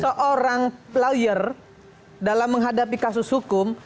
seorang lawyer dalam menghadapi kasus hukum